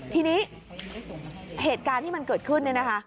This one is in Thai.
ทีนี้เหตุการณ์ที่มันเกิดขึ้น